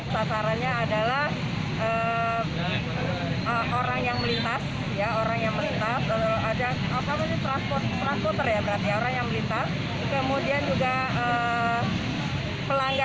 sasarannya adalah orang yang melintas orang yang melintas ada transporter ya berarti orang yang melintas